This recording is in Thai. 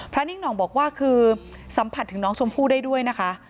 นิ่งหน่องบอกว่าคือสัมผัสถึงน้องชมพู่ได้ด้วยนะคะ